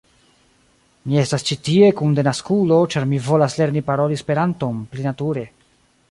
Mi estas ĉi tie kun denaskulo ĉar mi volas lerni paroli Esperanton pli nature